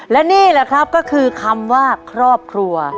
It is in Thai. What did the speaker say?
และนี่แหละครับก็คือคำว่าครอบครัว